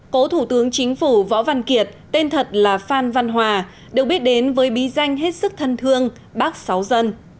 cố thủ tướng chính phủ võ văn kiệt tên thật là phan văn hòa được biết đến với bí danh hết sức thân thương bác sáu dân